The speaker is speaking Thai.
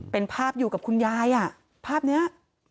เป็นภาพอยู่กับคุณยายภาพนี้